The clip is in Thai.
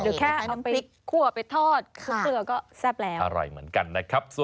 หรือแค่เอาไปคั่วไปทอดคั่วเกลือก็แซ่บแล้วค่ะอร่อยเหมือนกันนะครับ